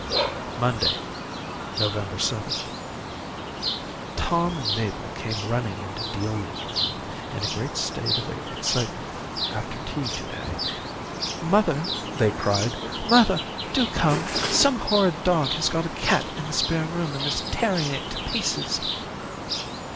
"Monday, November 7th. Tom and Mable came running into Delia's room in a great state of excitement after tea to day. 'Mother!' they cried, 'Mother! Do come! Some horrid dog has got a cat in the spare room and is tearing it to pieces.'